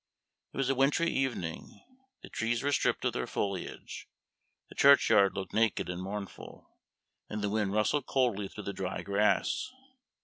It was a wintry evening: the trees were stripped of their foliage, the churchyard looked naked and mournful, and the wind rustled coldly through the dry grass.